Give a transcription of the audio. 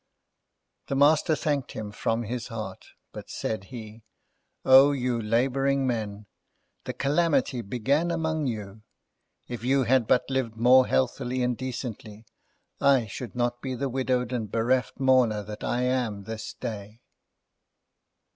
The Master thanked him from his heart, but, said he, "O you labouring men! The calamity began among you. If you had but lived more healthily and decently, I should not be the widowed and bereft mourner that I am this day."